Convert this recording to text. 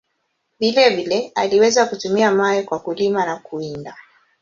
Vile vile, aliweza kutumia mawe kwa kulima na kuwinda.